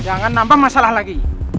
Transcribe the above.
jangan nampak masalah lagi